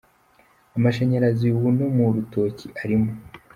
Amashanyarazi ubu no mu rutoki arimo